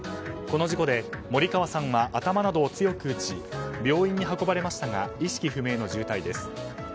この事故で森川さんは頭などを強く打ち病院に運ばれましたが意識不明の重体です。